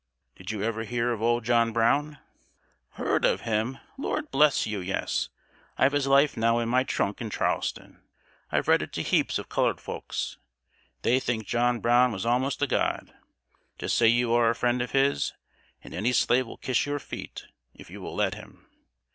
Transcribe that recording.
"Did you ever hear of Old John Brown?" "Hear of him! Lord bless you, yes; I've his life now in my trunk in Charleston. I've read it to heaps of colored folks. They think John Brown was almost a god. Just say you are a friend of his, and any slave will kiss your feet, if you will let him.